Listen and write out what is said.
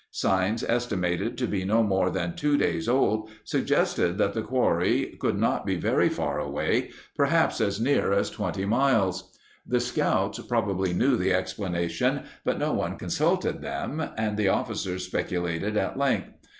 Signs estimated to be no more than two days old suggested that the quarry could not be very far away, perhaps as near as 20 miles. The scouts probably knew the explanation, but no one consulted them and the officers specu lated at length.